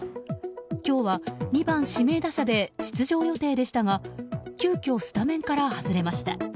今日は、２番指名打者で出場予定でしたが急きょ、スタメンから外れました。